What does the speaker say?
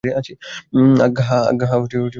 আজ্ঞা হাঁ বসন্ত রায়।